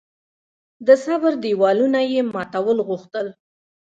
د صبر دېوالونه یې ماتول غوښتل.